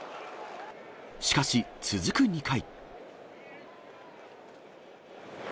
しかし、続く２回。